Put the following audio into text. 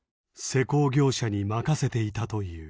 施工業者に任せていたという。